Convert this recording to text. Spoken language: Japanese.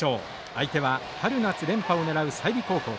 相手は春夏連覇を狙う済美高校です。